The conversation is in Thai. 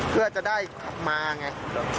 เพื่อจะได้มาไง